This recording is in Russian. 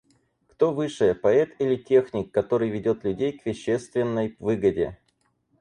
Кто выше – поэт или техник, который ведет людей к вещественной выгоде?